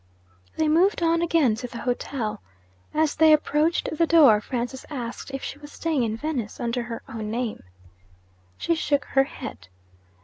They moved on again to the hotel. As they approached the door, Francis asked if she was staying in Venice under her own name. She shook her head.